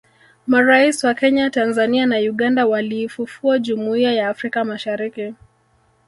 Marais wa Kenya Tanzania na Uganda waliifufua Jumuia ya Afrika Mashariki